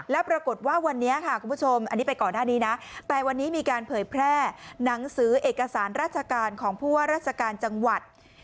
และปรากฏว่าวันนี้มีการเผยแพร่หนังสือเอกสารราชการของผู้ว่าราชการจังหวัด